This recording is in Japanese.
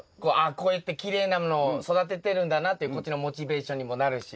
こうやってきれいなものを育ててるんだなっていうこっちのモチベーションにもなるし。